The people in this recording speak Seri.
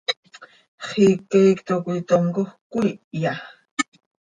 ¿Xiica iicto coi tomcoj cöquiihya?